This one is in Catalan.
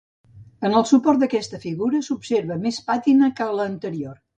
En el suport d'aquesta figura s'observa més pàtina que a l'anterior.